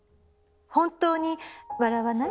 本当に笑わない？